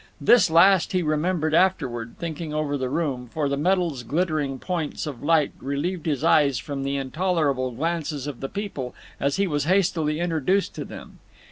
This last he remembered afterward, thinking over the room, for the medals' glittering points of light relieved his eyes from the intolerable glances of the people as he was hastily introduced to them.